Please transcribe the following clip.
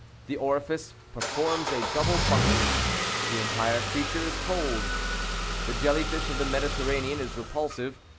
The orifice performs a double function. The entire creature is cold. The jelly fish of the Mediterranean is repulsive.